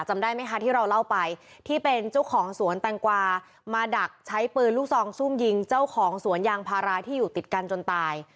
จำได้ไหมคะที่เราเล่าไปที่เป็นเจ้าของสวนแตงกวามาดักใช้ปืนลูกซองซุ่มยิงเจ้าของสวนยางพาราที่อยู่ติดกันจนตาย